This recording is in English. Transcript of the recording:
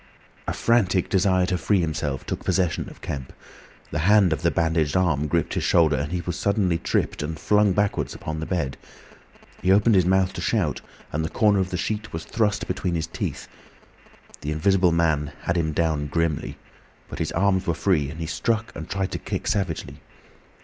A frantic desire to free himself took possession of Kemp. The hand of the bandaged arm gripped his shoulder, and he was suddenly tripped and flung backwards upon the bed. He opened his mouth to shout, and the corner of the sheet was thrust between his teeth. The Invisible Man had him down grimly, but his arms were free and he struck and tried to kick savagely.